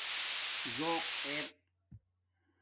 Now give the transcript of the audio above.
زاق ار